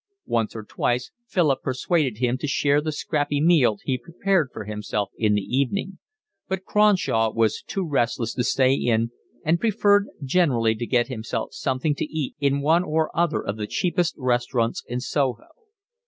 Once or twice Philip persuaded him to share the scrappy meal he prepared for himself in the evening, but Cronshaw was too restless to stay in, and preferred generally to get himself something to eat in one or other of the cheapest restaurants in Soho.